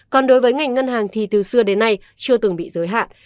còn đối với ngành ngân hàng thì từ xưa đến nay chưa từng bị giới hạn